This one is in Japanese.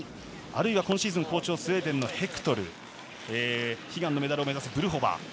あるいは今シーズン好調のスウェーデンのヘクトル悲願のメダルを目指すブルホバー。